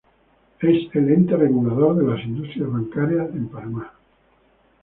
Es el ente regulador de las industrias bancaria en Panamá.